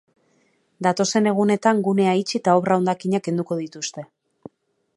Datozen egunetan gunea itxi eta obra-hondakinak kenduko dituzte.